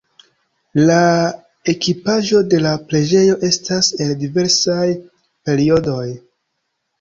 La ekipaĵo de la preĝejo estas el diversaj periodoj.